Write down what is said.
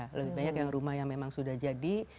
lebih banyak yang rumah yang memang sudah jadi